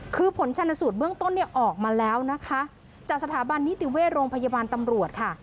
คือผลชันสูตรเบื้องต้นออกมาแล้วเจ้าสถาบันนิติเวชโรงพยาบาลตำรวจ